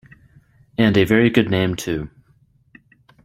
And a very good name too.